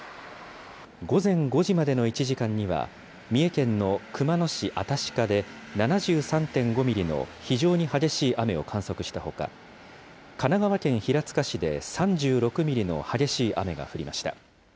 午前５時までの１時間には、三重県の熊野市新鹿で７３．５ミリの非常に激しい雨を観測したほか、神奈川県平塚市で３６ミリの激しい雨が降りました。